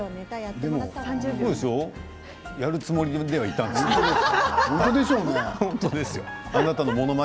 でも、３０秒やるつもりではいたんですよね。